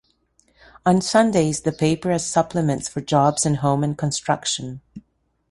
On Sundays the paper has supplements for jobs and home and construction.